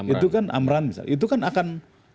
itu kan amran misalnya itu kan akan